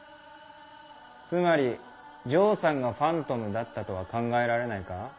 つまり城さんがファントムだったとは考えられないか？